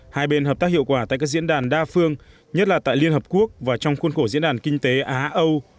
hai bên hợp tác hiệu quả tại các diễn đàn đa phương nhất là tại liên hợp quốc và trong khuôn khổ diễn đàn kinh tế á âu